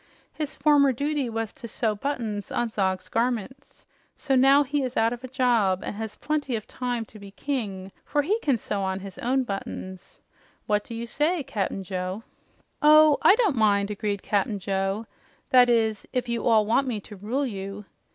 "His former duty was to sew buttons on Zog's garments, so now he is out of a job and has plenty of time to be king, for he can sew on his own buttons. What do you say, Cap'n Joe?" "Oh, I don't mind," agreed Cap'n Joe. "That is, if you all want me to rule you."